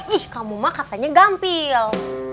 ih kamu mah katanya gampil